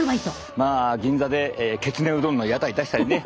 まあ銀座できつねうどんの屋台出したりね